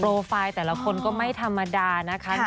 โปรไฟล์แต่ละคนจะแม่ธรรมดานะครับ